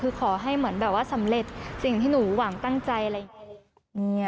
คือขอให้เหมือนแบบว่าสำเร็จสิ่งที่หนูหวังตั้งใจอะไรอย่างนี้